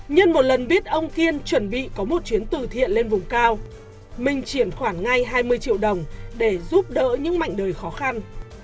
nhân một lần biết ông kiên chuẩn bị có một chuyến từ thiện lên vùng cao minh chuyển khoản ngay hai mươi triệu đồng để giúp đỡ những mạnh đời khó khăn